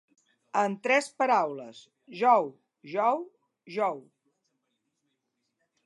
En tres palabras: “jou, jou, jou”.